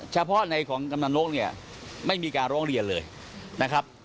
เฉพาะในของกำลังนกเนี่ยไม่มีการร้องเรียนเลยนะครับ